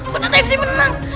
kota tfc menang